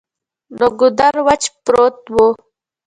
نو ګودر وچ پروت وو ـ